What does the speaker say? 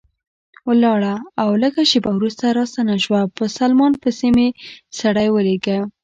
ولاړه او لږ شېبه وروسته راستنه شوه، په سلمان پسې مې سړی ولېږه.